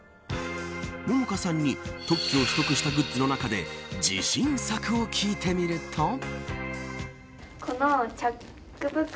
杏果さんに特許を取得したグッズの中で自信作を聞いてみると。